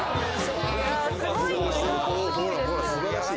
すごい。